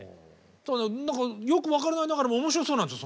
何かよく分からないながらも面白そうなんですよ